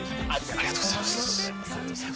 ありがとうございます。